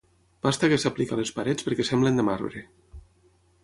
Pasta que s'aplica a les parets perquè semblin de marbre.